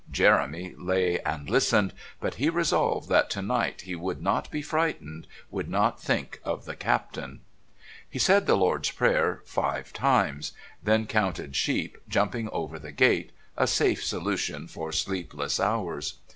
Jeremy lay and listened; but he resolved that to night he would not be frightened, would not think of the Captain. He said the Lord's Prayer five times, then counted sheep jumping over the gate, a safe solution for sleepless hours.